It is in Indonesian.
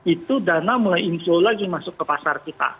itu dana mulai inflow lagi masuk ke pasar kita